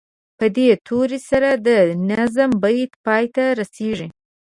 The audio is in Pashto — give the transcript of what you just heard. په دې توري سره د نظم بیت پای ته رسیږي.